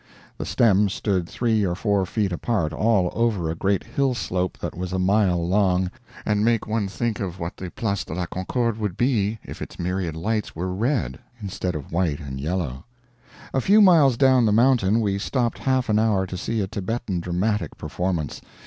The stems stood three or four feet apart all over a great hill slope that was a mile long, and make one think of what the Place de la Concorde would be if its myriad lights were red instead of white and yellow. A few miles down the mountain we stopped half an hour to see a Thibetan dramatic performance.